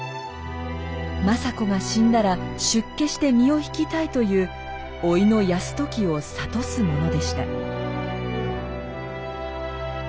政子が死んだら出家して身を引きたいというおいの泰時を諭すものでした。